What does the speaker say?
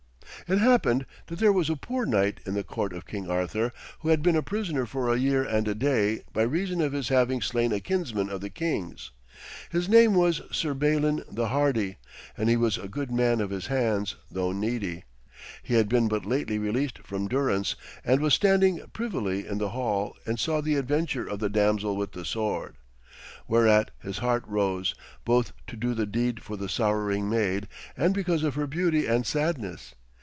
It happened that there was a poor knight in the court of King Arthur, who had been a prisoner for a year and a day, by reason of his having slain a kinsman of the king's. His name was Sir Balin the Hardy, and he was a good man of his hands, though needy. He had been but lately released from durance, and was standing privily in the hall and saw the adventure of the damsel with the sword. Whereat his heart rose, both to do the deed for the sorrowing maid and because of her beauty and sadness.